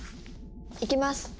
いきます。